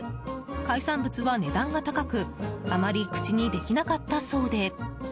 海産物は値段が高くあまり口にできなかったそうで。